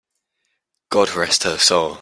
God rest her soul!